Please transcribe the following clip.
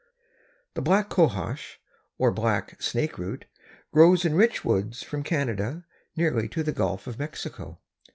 _) The Black Cohosh, or Black Snakeroot, grows in rich woods from Canada nearly to the Gulf of Mexico.